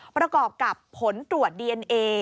ประกอบกับผลตรวจดีเอนเอ